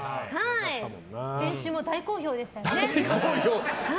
先週も大好評でしたね。